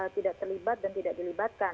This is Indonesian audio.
tidak terlibat dan tidak dilibatkan